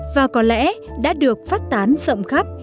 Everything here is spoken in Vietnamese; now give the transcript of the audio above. và có lẽ đã được phát tán rộng khắp